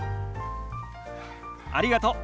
ありがとう。